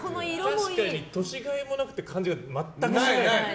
確かに年甲斐もないっていう感じが全くしない。